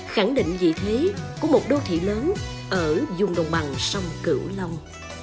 khẳng định vị thế của một đô thị lớn ở vùng đồng bằng sông cửu long